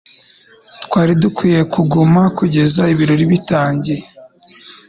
Twari dukwiye kuguma kugeza ibirori birangiye.